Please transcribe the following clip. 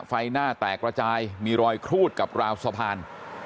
ไฟหน้าแตกระจายมีรอยครูดกับราวสะพาน